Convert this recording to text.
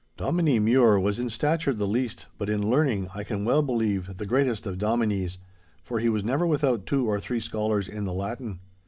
Dominie Mure was in stature the least, but in learning, I can well believe, the greatest of dominies, for he was never without two or three scholars in the Latin.